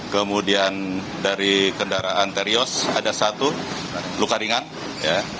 kemudian dari kendaraan terios ada satu luka ringan ya